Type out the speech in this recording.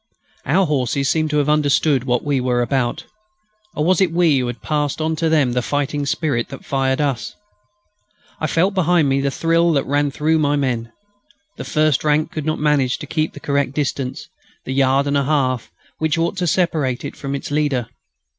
Our horses seemed to have understood what we were about. Or was it we who had passed on to them the fighting spirit that fired us? I felt behind me the thrill that ran through my men. The first rank could not manage to keep the correct distance, the yard and a half, which ought to separate it from its leader.